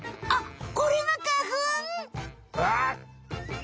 あっ！